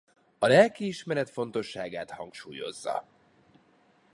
A lelkiismeret fontosságát hangsúlyozza.